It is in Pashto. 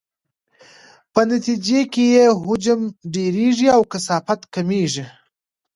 په نتیجې کې یې حجم ډیریږي او کثافت کمیږي.